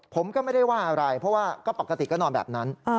ผมก็ไม่ได้ว่าอะไรเพราะว่าก็ปกติก็นอนแบบนั้น